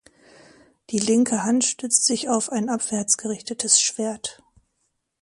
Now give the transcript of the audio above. Die linke Hand stützt sich auf ein abwärts gerichtetes Schwert.